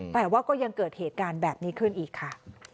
แต่ว่าก็ยังเกิดเหตุการณ์แบบนี้ขึ้นอีกค่ะ